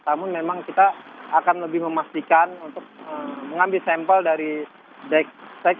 namun memang kita akan lebih memastikan untuk mengambil sampel dari dexech